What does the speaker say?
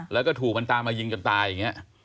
แล้วก็ถูกมันตามมายิงจนตายอย่างนี้